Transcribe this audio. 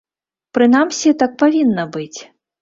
Прынамсі, так павінна быць.